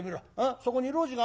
そこに路地があるだろ。